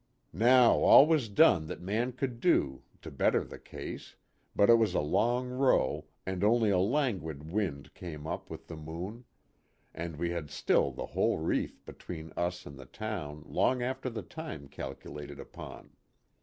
" Now all was done that man could do " to better the case, but it was a long row and only a languid wind came up with the moon ; and we had still the whole reef between us and the town long after the time calculated upon.